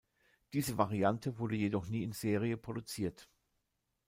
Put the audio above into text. Diese Variante wurde jedoch nie in Serie produziert.